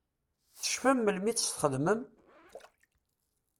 Tecfam melmi i t-txedmem?